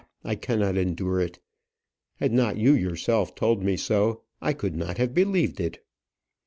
I cannot endure it; had not you yourself told me so, I could not have believed it."